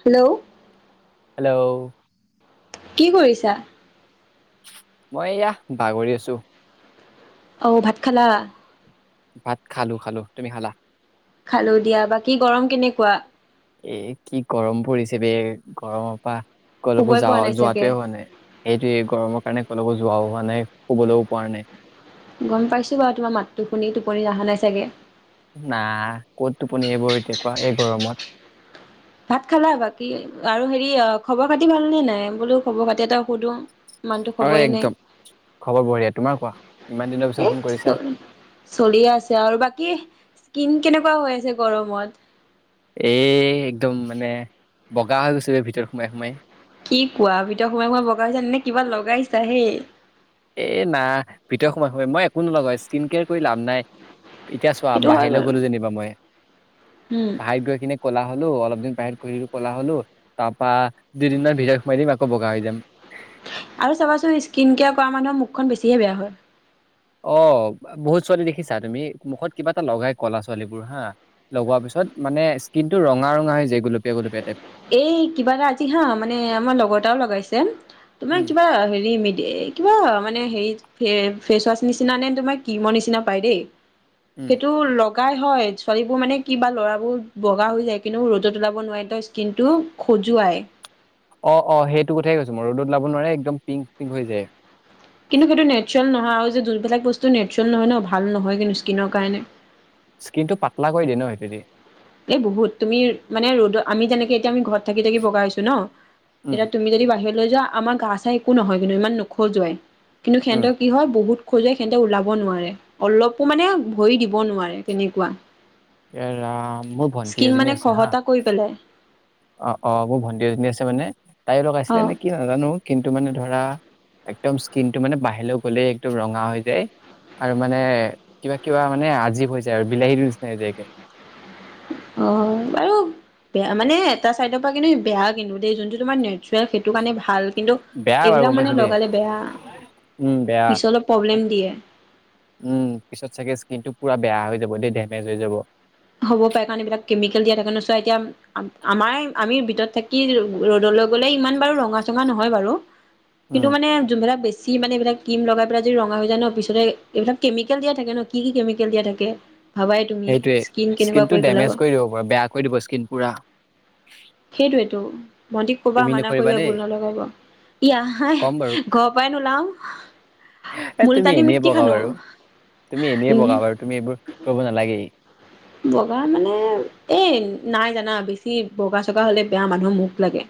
Hello. Hello. কি কৰিছা? মই এইয়া বাগৰি আছো। অঁ ভাত খেলা? ভাত খালো খালো, তুমি খালা? খালো দিয়া, বাকী গৰম কেনেকুৱা? এ' কি গৰম পৰিছে বে গৰমৰ পৰা কো শুবই যা পৰা নাই চাগে। যোৱাটোৱে হোৱা নাই এইটোয় গৰমৰ কাৰণে কো [inaudible] যোৱাও হোৱা নাই ক'বলৈও পোৱা নাই। গম পাইছো বাৰু তোমাৰ মাতটো শুনি টোপনি অহা নাই চাগে। নাই ক'ত টোপনি আহিব এতিয়া কোৱা, এইবোৰতে কোৱা এই গৰমত। ভাত খালা বাকী আৰু হেৰি খবৰ- খাতি ভালনে নাই বোলো খবৰ খাতি এটা সুধো। আৰু খবৰে নাই একদম খবৰ বঢ়িয়া তোমাৰ কোৱা ইমান দিনৰ পিছত এ ফোন কৰিছা চলিয়ে আছে আৰু বাকী স্ক কেনেকা [inaudible] া হৈ আছে গৰমত [inaudible] এ একদম মানে বগা হৈ গৈছে ভিতৰত সোমাই সোমাই। কি কোৱা ভিতৰত সোমাই সোমাই বগা হৈছে নে কিবা লগাইছা হেই। এ না ভিতৰত সোমাই সোমাই মই একো নলগাও স্কিন কেয়াৰ কৰি লাভ নাই। এতিয়া চোৱা সেইটো হয় বাহিৰলৈ বাৰু। গ'লো যেনিবা মই, উম বাহিৰত গৈ কিনে ক'লা হলো অলপ দিন বাহিৰত ঘূৰিলোঁ কলা হ'লো তাৰপা দুইদিনমান ভিৰৰত সোমাই দিম আকৌ বগা হৈ যাম। আৰু চাবাচোন স্কিন কেয়াৰ কৰা মানুহৰ মুখখন বেছিহে বেয়া হয়। অ বহুত ছোৱালী দেখিছা তুমি মুখত কিবা এটা লগাই ক'লা ছোৱালীবোৰ হা লগোৱা পিছত মানে স্কিন টো ৰঙা ৰঙা হৈ যায় গুলপীয়া গুলপীয়া টাইপ। এই কিবা এটা আজি হা মানে আমাৰ লগৰ এটাও লগাইছে, তোমাৰ উম কিবা হেৰি ম কিবা মানে হেৰি ফেচ ৱাছ নিচিনা নে তোমাৰ কি মৰ নিচিনা পায় দেই, উম সেইটো লগ বগাই হয় ছোৱালীবোৰ মানে কিবা ল'ৰাবোৰ বগা হৈ যায় কিন্তু ৰ'দত ওলাব নোৱাৰে কিন্তু খজুৱাই। অ অ সেইটো কথাইে কৈছো মই ৰ'দত ওলাব নোৱাৰে একদম পিংক পিংক হৈ যায়। কিন্তু সেইটো নেচাৰেল নহয় আৰু যোনবিলাক বস্তু নেচাৰেল নহয় ন ভাল নহয় কিন্তু স্কিনৰ কাৰণে। স্কিনটো পাতলা কৰি দিয়ে ন সেইটোৱেদি। এ বহুত তুমি মানে ৰ'দত আমি যেনেকে এতিয়া আমি ঘৰত থাকি থাকি বগা হৈছো ন উম এতিয়া তুমি যদি বাহিৰত লৈ যোৱা আমাৰ গা চা একো নহয় কিন্তু ইমান নোখজুৱাই কিন্তু উম সিহঁতে কি হয় বহুত খজুৱাই সিহঁতে ওলাব নোৱাৰে অলপো মানে ভৰি দিব নোৱাৰে তেনেকোৱা এৰ আহ মোৰ ভন্টি এজনী আছে হা খহতা কৰি পেলাই অ অ মোৰ ভণ্টি এজনী আছে মানে তাইৰ লগ অ আছিলে নে কি নাজানো কিন্তু মানে ধৰা একদম স্কিন টো মানে বাহিৰলৈ গ'লেই একদম ৰঙা হৈ যায় আৰু মানে কিবা কিবা মানে আজীৱ হৈ যায় আৰু বিলাহীটো নিচিনা হৈ যায়গে অ বাৰু বেয়া মানে এটা চাইডৰ পৰা কিন্তু বেয়া কিন্তু দেই যোনটো তোমাৰ নেচুৱেল সেইটো কাৰণে ভাল কিন্তু বেয়া বাৰু এইবিলাক গম মানে পাইছো দেই লগালে বেয়া উম বেয়া পিছলৈ প্ৰব্লেম দিয়ে উম পিছত চাগে স্কীনটো পুৰা বেয়া হৈ যাব দেই ডেমেজ হৈ যাব হ'ব পাৰে কাৰণ এইবিলাক কেমিকেল দিয়া থাকে ন চোৱা এতিয়া আমাৰ আমি ভিতৰত থাকি ৰ'দলৈ গ'লে ইমান বাৰু ৰঙা চঙা নহয় বাৰু উম কিন্তু মানে যোনবিলাক বেছি চি মানে এইবিলাক ক্ৰীম লগাই পেলাই যদি ৰঙা হৈ যায় ন পিছতে এইবিলাক কেমিকেল দিয়া থাকে ন কি কি কেমিকেল দিয়া থাকে ভাবাই তুমি সেইটোৱে স্কিন কেনেকুৱা স্কিনটো পেলাব ডেমেজ কৰি দিব পবেয়া কৰি দিব স্কিন পুৰা সেইটোৱেটো ভণ্টিক কবা তুমি মানা নকৰিবা কৰিবা দেই এইবোৰ নলগাব ইয়াই ক'ম বাৰু ঘৰৰ পৰাই এ নোলাও তুমি মোলতানি এনেই মিটটি বগা সানো বাৰু তুমি এনেই উ বগা বাৰু তুমি এইবোৰ কৰিব নালাগেই বগা মানে এই নাই জানা বেছি বগা চগা হ'লে বেয়া মানুহৰ মুখ লাগে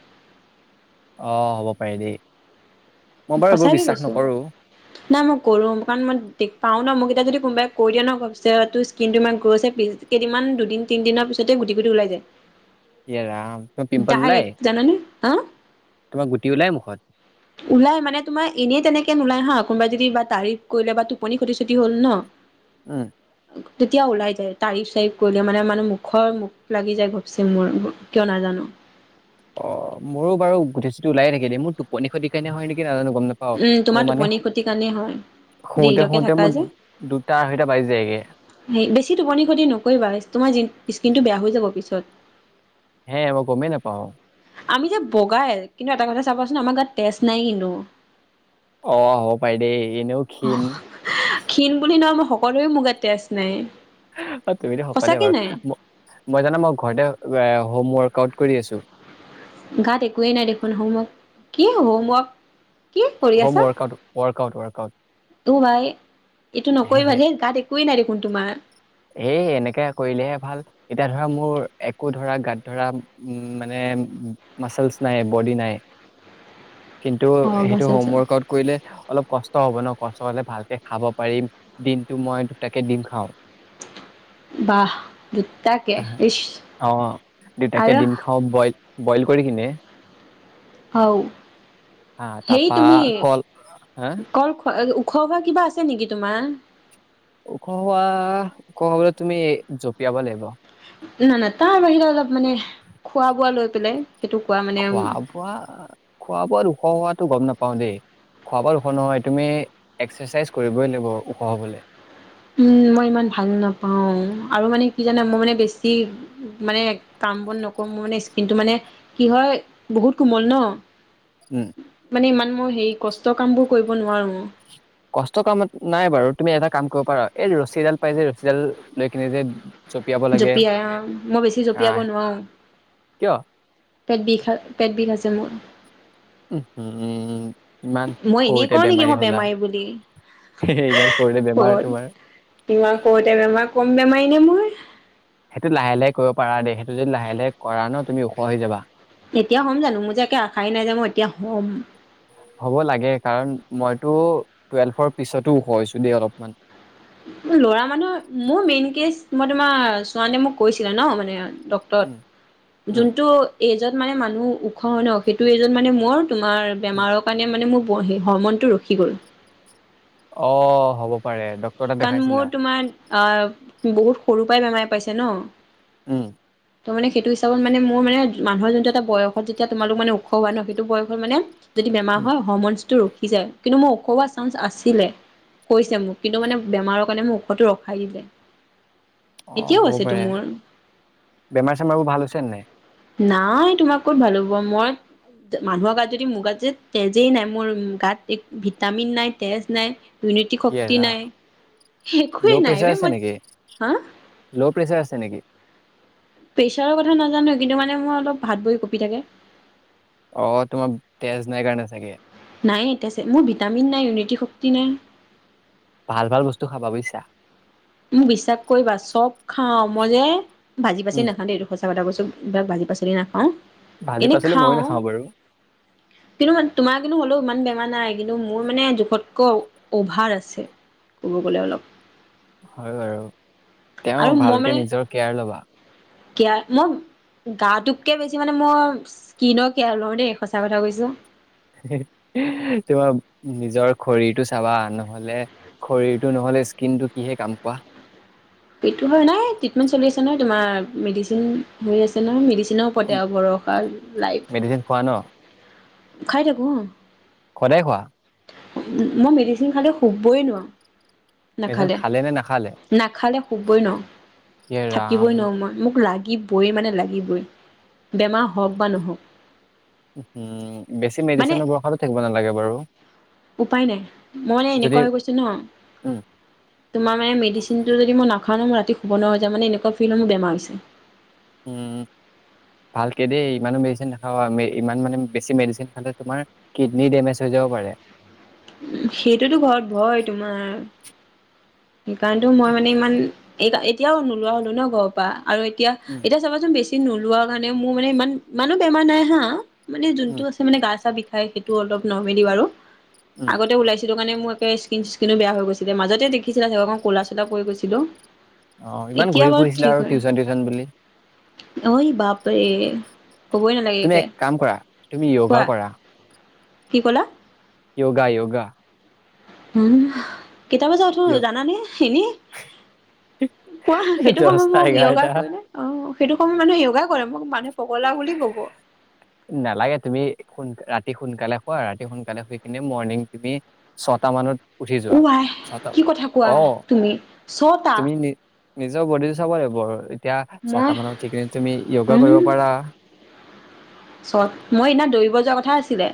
অহ হ'ব পাৰে দেই মই বাৰু এইবোৰ সঁচাকে বিশ্বাস কৈছো নকৰো নাই মই কৰো কাৰণ মই দে পাও ন মোক এতিয়া যদি কোনোবাই কৈ দিয়া ন ভৱিষ্যত তোৰ স্কিনটো ইমান গ্ল হৈছে কেইদিনমান দুদিন তিনদিনৰ পিছতে গুটি গুটি ওলাই যায় ইয়ে ৰাম তোমাৰ পিম্পল ওলাই ডাইৰেক্ট জানানে হা তোমাৰ গুটি ওলাই মুখত ওলাই মানে তোমাৰ এনেই তেনেকে নোলাই হা কোনোবাই যদি বা তাৰিফ কৰিলে বা টোপনি ক্ষতি চতি হ'ল ন উ তেতিয়া ওলাই যায় তাৰিফ চাৰিফ কৰিলে মানে মানে মুখৰ মুখ লাগি যায় ঘপচি মোৰ কিয় নাজানো অ মোৰো বাৰু গুটি চুটি ওলাই থাকে দেই মোৰ টোপনি খতি কাৰণে হয় নেকি নাজানো গম নাপাও। উম মোৰ তোমাৰ মানে টোপনি ক্ষতিৰ কাৰণে হয় শুওঁতে দেৰিলৈকে শুওঁতে থাকা মোৰ যে দুটা আঢ়ৈটা বাজি যায়গে বেছি টোপনি ক্ষতি নকৰিবা তোমাৰ স্কিনটো বেয়া হৈ যাব পিছত হে মই গমেই নাপাওঁ আমি যে বগাই কিন্তু এটা কথা চাবাচোন আমাৰ গাত তেজ নাই কিন্তু অ হব পাই দেই এনেও ক্ষীণ ক্ষীণ বুলি নহয় মই সকলোৱে মো গাত তেজ নাই অ তুমিতো শকতে সঁচাকে নাই বাৰু মই জানো মই ঘৰতে হোম ৱৰ্কআউট কৰি আছোঁ গাত একোৱেই নাই দেখোন হোমৱৰ্ক কি হোমৱৰ্ক কি কৰি হোম আছা ৱৰ্কআউট, ৱৰ্কআউট, ৱৰ্কআউট। অ ভাই এইটো নকৰিবা দেই গাত একোৱেই নাই দেখোন তোমাৰ এই এনেকে কৰিলেহে ভাল, এতিয়া ধ ধৰা মোৰ একো ধৰা গাত ধৰা মানে ম- মাছেলচ নাই, বডি নাই কিন্তু অ সেই বাচল চ হোম ওৱাৰকাউত কৰিলে অলপ কষ্ট হ'ব ন, কষ্ট হ'লে ভালকে খাব পাৰিম। দিনটো মই দুটাকে দিম খাওঁ। বাহ দুটাকে আহ, ইচ অ'। দুটাকে আৰু দিম খাওঁ বইল, বইল কৰি কিনে। হও, হা সেই তাৰপা তুমি কল হা কল খোৱা অ, ওখ হোৱা কিবা আছে নেকি তোমাৰ? ওখ হোৱা, ওখ হ'বলৈ তুমি জঁপিয়াব লাগিব। নাই, নাই, তাৰ বাহিৰে অলপ মানে খোৱা বোৱা লৈ পেলাই। সেইটো কোৱা মানে খোৱা বোৱা? খোৱা বোৱাত ওখ খোৱাতটো গম নাপ পাওঁ দেই, খোৱা বোৱাত ওখ নহয়। তুমি এক্সাৰচাইজ কৰিবই লাগিব ওখ হ'বলৈ। উম। মই ইমান ভাল নাপাওঁ আৰু মানে কি জানা মই মানে বেছি মানে কাম-বন নকৰোঁ, মোৰ মানে স্কিনটো মানে কি হয় বহুত কোমল ন। উম। মানে ইমান মই হেৰি কষ্ট কামবোৰ কৰিব নোৱাৰোঁ। কষ্ট কামত নাই বাৰু, তুমি এটা কাম কৰিব পাৰা - এই ৰছী এডাল পাই যে ৰছীডাল লৈ কিনে যে জঁপিয়াব লাগে জঁপিয়াই আহ। মই বেছি জঁপিয়াব আহ নোৱাৰোঁ। কিয় পেট বিষ খা, পেট বিষ আছে মোৰ। উম হু। মই এনেই কওঁ নেকি মই বেমাৰী বুলি? ইমান সৰুতে বেমাৰ তোমাৰ। ক'ত তোমাক কওঁতে বেমাৰ ক বেমাৰিনে মই? সেইটো লাহে লাহে কৰিব পাৰা দে, সেইটো যদি লাহে লাহে কৰা ন তুমি ওখ হৈ যাবা। এতিয়া হ'ম জানো? মোৰ যে আশাই নাই যে মই এতিয়া হ'ম। হ'ব লাগে কাৰণ মইতো টুৱেলফৰ পিছতো ওখ হৈছোঁ দেই অলপমান। ল'ৰা মানুহ, মোৰ মেইন কেচ মই তোমাৰ চোৱানে মোক কৈছিলল ন মানে উম, ডক্টট উম, যোনটো এই য'ত মানে মানুহ ওখ হয় ন, সেইটো এজত মানে মোৰ তোমাৰ উম। বেমাৰৰ কাৰণে মানে মোক [unintelligible] হৰমনটো ৰখি গ'ল। অ', হ'ব পাৰে। ডক্তৰ তাত কাৰণ দেখাইছিলা? মোৰ তোমাৰ অহ, বহুত সৰু উপায় বেমাৰ পাইছে ন উম। ত মানে সেইটো হিচাপত মানে মোৰ মানে মানুহৰ যোনটো এটা বয়সত যেতিয়া তোমালোক মানে ওখ হোৱা ন, সেইটো বয়সত মানে যদি বেমাৰ উম। হয় হৰমনছটো ৰ, [unintelligible] কিন্তু মোৰ ওখ হোৱা চান্স আছিলে, কৈছে মোক কিন্তু মানে বেমাৰৰ কাৰণে মোক ওখটো ৰখাই দিলে। অ', এতিয়াও হ'ব আছেতো পাৰে। মোৰ বেমাৰ চেমাৰ বোৰ ভাল হৈছে নাই? নাই তোমাক ক'ত ভাল হ'ব। মই মানুহৰ গাত যদি মোৰ গাত যে তেজেই নাই মোৰ গাত এক ভিটামিন নাই তেজ নাই। দুৰ্নীতি শক্তি ইয়েছ অ'। নাই একোৱেই ল' নাইব প্ৰেচাৰ আছে মই নেকি? হা ল' প্ৰেচাৰ আছে নেকি? প্ৰেছাৰৰ কথা নাজানো কিন্তু মানে মোৰ অলপ হাত ভৰি কঁপি থাকে। অ', তোমাৰ তেজ নাই কাৰণে চাগে। নাই এতিয়াছে মোৰ ভিটামিন নাই ইউনিটি শক্তি নাই। ভাল-ভাল বস্তু খাবা বুজিছা। মোক বিশ্বাস কৰিবা? চব খাওঁ মই যে ভাজি বাচি উম, নাখাওঁ দে এটো আৰু এটা বস্তু, ভাজি পাচলি না। ভাজি এনে পাচলি ময়ো খাওঁ নাখাওঁ বাৰু। কিন্তু মান তোমাৰ কিন্তু হ'লেও ইমান বেমাৰ নাই। কিন্তু মোৰ মানে জোখতকৈ অভাৰ আছে ক'ব গ'লে অলপ। হয় বাৰু। আৰু তেওঁ মই ভালকে মানে নিজৰ কেয়াৰ ল'বা। কেয়াৰ মই গাটোককে বেছি মানে মই স্কিনৰ কেয়াৰ লো দেই, সঁচা কথা কৈছো। তোমাৰ নিজৰ শৰীৰটো চাবা নহলে শৰীৰৰটো নহ'লে স্কিনটো কিহে কাম কোৱা। সেইটো হয় নাই, ট্ৰিটমেণ্ট চলি আছে নহয়, তোমাৰ মেডিচিন হৈ আছে নহয় মডিচ চিন পতে বৰষাৰ লাইভ। মেডিচিন খোৱা ন? খাই থাকো, অ। সদায় খোৱা? মই মেডিচিন খালে শুবই নোৱাৰো। মেডিচিন নাখালে, খালে নে নাখালে? নাখালে শুবই ইয়ে নোৱাৰো, ৰাম থাকিবই নোৱাৰো, মই, মোক লাগ লাগিবই মানে লাগিবই বেমাৰ হওঁক বা নহওক। ম বেছি মানে মেডিচিনৰ বৰষাটো থাকিব নালাগে বাৰু। উপায় নাই, মই মানে যদি এনেকুৱা হৈ গৈছো ন, উম, তোমাৰ মানে মেডিচিনটো যদি মই নাখাও ন মই ৰাত তি শুব নোৱাৰা হৈ যাও মানে এনেকুৱা ফিল মোৰ বেমাৰ হৈছে। উম, ভালকে দেই ইমানো মেডিচিন নাখাবা, ইমান মানে বেছি মেডিচিন খালে তোমাৰ কিডনী ডেমেজ হৈ যাব পাৰে। সেইটোতো ঘৰত ভয় তোমাৰ। সেইকাৰণটো মই মানে ইমান এইতা-এতিয়াও নোলোৱা হ'লো ন ঘৰৰ পৰা। আৰু এতিয়া, উম, এতিয়া চাবাচোন বেছি নোলোৱা কাৰণে মোৰ মানে ইমান, ইমানো বেমাৰ নাই হা। মানে যোনতটো উম, আছে মানে গা-চা বি খাই সেইটো অলপ নৰ্মেলি বাৰু উম, আগতে ওলাইছিলো মানে মোৰ একে স্কিন-স্কিনো বেয়া গৈছিলে, মাজতে দেখি [unintelligible] অকণ ক'লা-চ'লা পৰি গৈছিল অ। অ' ইমান এতিয়া ঘূৰি বাৰু ফুৰিছিলা ঠিক আৰু হয়, টিউচন টিউচন বুলি ঐ বাপৰে [unintelligible] তুমি একে এক কাম কৰা, তুমি যোগা কোৱা কৰা। কি কলা। যোগা যোগা [unintelligible] কেইটা বজাত য়োগা উঠো জানানে, এনে। কোৱা সেইটো সময়ত দহটা মোক যোগা এঘাৰটা কৰিলে, অ। সেইটো সময় মানুহে যোগা কৰে, মোক মানুহে পগলা বুলি ক'ব নালাগে তুমি সোনকা-ৰাতি ৰাতি সোনকালে শুৱা, ৰাতি সোনকালে শুই কিনি মৰ্নিং তুমি ছটা মানত উঠি উ যোৱা আই, ছটা কি কথা কোৱা অ তুমি ছটা তুমি নি নিজৰ বডি চাব লাগিব এট এতিয়া, মই ছটা মানত উঠি কিনি তুমি য়োগা কৰিব চত, মই সিদিনা দৌৰিব যোৱা কথাই আছিলে।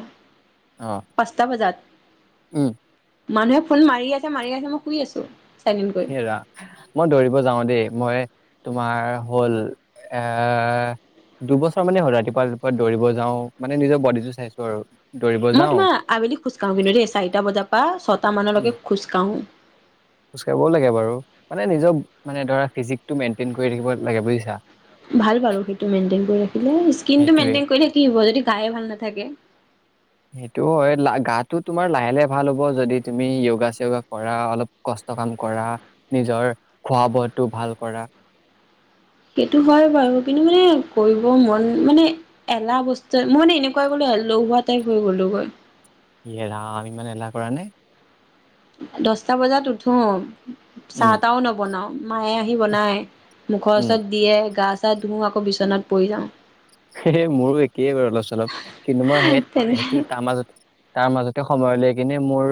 অ পাঁচটা বজাত। উম। মানুহে ফোন মাৰি আছে মাৰি আছে মই শুই আছো। চাইলেণ্ট কৰি হেৰা, মই দৌৰিব যাও দেই মই তোমাৰ হ'ল এ, দুবছৰ মানে হ'ল ৰাতিপুৱা-ৰাতিপুৱা দৌৰিব যাও, মানে নিজৰ বডিটো চাইছো আৰু। দৌৰিব মই যাওঁ তোমাৰ আবেলি খোজ কঢ়ো কিন্তু দেই, চাৰিটা বজাৰ পৰা ছয়টা উম, মানলৈকে খোজ কাঢ়ো। খোজ কাঢ়িবও লাগে বাৰু, মানে নিজৰ মানে ধৰা ফিজিকটো মেইনটেইন কৰি ৰাখিব লাগে বুজিছা। ভাল বাৰু সেইটো মেইনটেইন কৰি ৰাখিলে, স্কিনটো সেইটোয়ে মেইনটেইন কৰিলে কি হব যদি গায়ে ভাল নাথাকে। সেইটো হয়। লা গাটো তোমাৰ লাহে-লাহে ভাল হ'ব যদি তুমি য়গা-চিয়গা কৰা অলপ কষ্ট কাম কৰা নিজৰ খোৱা বোৱাটো ভাল কৰা। সেইটো হয় বাৰু কিন্তু মানে কৰিব মন মানে এলাহ বস্তুৱ মই মানে এনেকুৱাই গলো লহুৱোৱা টাইপ হৈ গ'লো গৈ। য়ে ৰাম ইমান এলাহ কৰা নে? দচটা বজাত উঠো। চাহ উম তাহও নবনাও মায়ে আহি বনায়। মুখৰ উম ওচৰত দিয়ে গাছ [unintelligible] আকৌ বিচনাত পৰি যাওঁ সে মোৰো একেই বাৰু অলপ চলপ কিন্তু মই সেই তেনে সেইটো তাৰ মাজত তাৰ মাজতে সময় ল কিনে মোৰ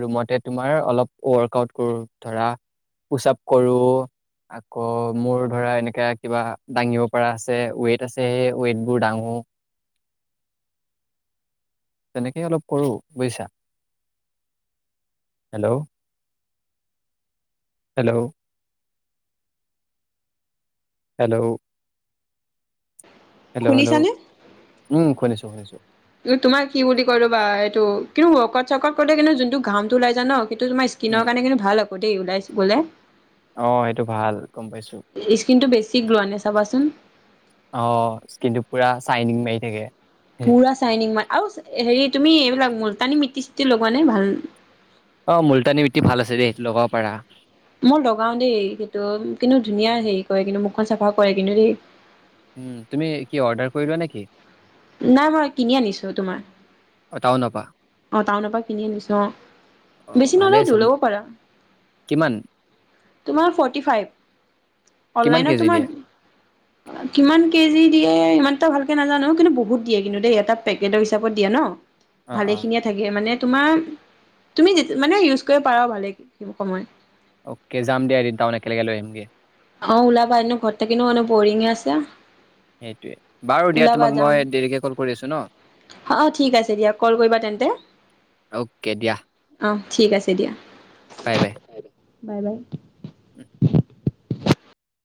ৰুমতে তোমাৰ অলপ ৱৰ্ক আউট কৰো ধৰা পুচ-আপ কৰো আকৌ মোৰ ধৰা এনেকাে কিবা দাঙিব পৰা আছে ৱেইট আছে। স সে ওৱেইটবোৰ ডাঙো তেনেকেই অলপ কৰো বুজিছা, hello hello hello. Hello, hello শুনিছানে? উম, শুনিছ শুনিছোঁ। তোমাৰ কি বুলি কয় ৰ'বা এইটো কিন্তু মৰ্কত চৰ্কত গ'লে কিন্তু যোনটো ঘামটো ওলাই যায় ন'। সেটো তোমাৰ স্কিনৰ উম কাৰণে কিন্ত ভাল হক গ দেই ওলাইছো ব'লে অ সেইটো ভাল গম পাইছো স্কিনটো বেছি গ্লো আনে চাবাচোন। অ', স্কিনটো পুৰা চাইনিং মাৰি থাকে। পুৰা চাইনিং মান আৰু হেৰি তুমি এইবিলাক মলতানী মিটি-চিটি লগোৱা নাই ভাল অ', মুলতানী মিট্টি ভাল আছে দেই, লগাব পাৰা। মই লগাও দেই সেইটো কিন্তু ধুনীয়া হেৰি কৰে কিন্তু মুখখন চাফা কৰে কিন্তু দেই। উম, তুমি কি অৰ্ডাৰ কৰি লোৱা নেকি? নাই মই কিনি আনিছো তোমাৰ। অ টাউন পা অ টাউনৰ পৰা কিনি আনিছো অ বেছি ভালে নলয় আছে টো ল'ব পাৰা। কিমান তোমাৰ ফৰ্টিফাইব কিমান অন-লাইনত কেজি তোমাৰ দিয়ে কিমান কেজি দিয়ে এ ইমানটা ভালকে নাজানো কিন্তু বহুত দিয়ে কিন্তু দেই এটা পেকেটৰ হিচাপত দিয়ে ন। ভালে অ-অ খিনিয়ে থাকে মানে তোমাৰ তুমি মানে ইউজ কৰিব পাৰা ভালে সোৰ সময় অকে যাম দিয়া এদিন টাউন একেলগে লৈ আহিমগে। অ ওলাবা এনো ঘৰতে [unintelligible] বৰিঙ আছে সেইটোৱে বাৰু দিয়া ওলাবা তোমাক যাম মই দেৰিকে কল কৰি আছো ন অ ঠিক আছে দিয়া কল কৰিবা তেন্তে অকে দিয়া অ ঠিক আছে দিয়া। বাই-বাই বাই-বাই উম